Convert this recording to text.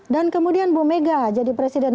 dan kemudian bumega jadi presiden